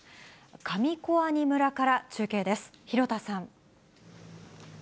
上小阿仁村から中継です、廣田さん。